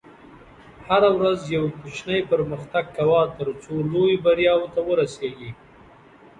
هره ورځ یو کوچنی پرمختګ کوه، ترڅو لویو بریاوو ته ورسېږې.